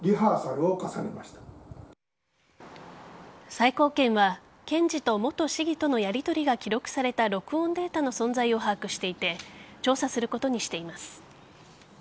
最高検は検事と元市議とのやりとりが記録された録音データの存在を把握していて調査することにしています。